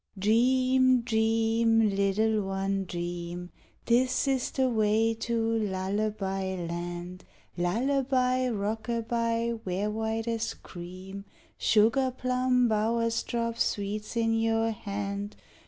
Dream, dream, little one, dream; This is the way to Lullaby Land. Lullaby, rockaby, where, white as cream, Sugar plum bowers drop sweets in your hand.